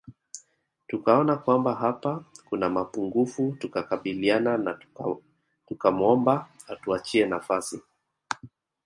Tukaona kwamba hapa kuna mapungufu tukakubaliana na tukamwomba atuachie nafasi